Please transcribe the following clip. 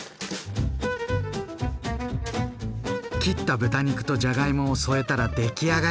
切った豚肉とじゃがいもを添えたら出来上がり！